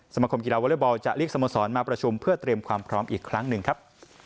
สมคมกีฬาวอเล็กบอลจะเรียกสโมสรมาประชุมเพื่อเตรียมความพร้อมอีกครั้งหนึ่งครับ